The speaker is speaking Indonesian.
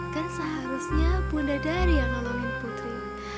kan seharusnya bunda dari yang ngomongin putri